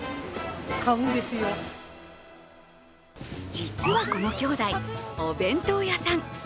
実はこのきょうだい、お弁当屋さん。